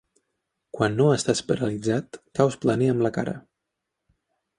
Quan no estàs paralitzat, caus planer amb la cara.